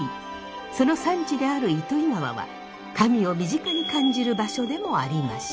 その産地である糸魚川は神を身近に感じる場所でもありました。